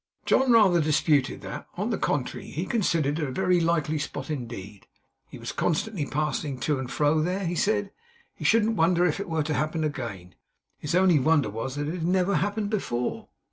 John rather disputed that. On the contrary, he considered it a very likely spot, indeed. He was constantly passing to and fro there, he said. He shouldn't wonder if it were to happen again. His only wonder was, that it had never happened before.